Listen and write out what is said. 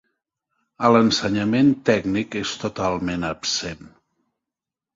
A l'ensenyament tècnic és totalment absent.